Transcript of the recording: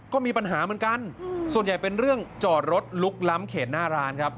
ก็มีปัญหาเหมือนกันส่วนใหญ่เป็นเรื่องจอดรถลุกล้ำเขตหน้าร้านครับ